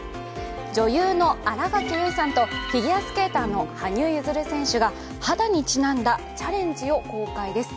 女優の新垣結衣さんとフィギュアスケーターの羽生結弦さんが肌にちなんだチャレンジを公開です。